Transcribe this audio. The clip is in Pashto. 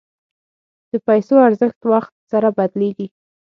د پیسو ارزښت وخت سره بدلېږي.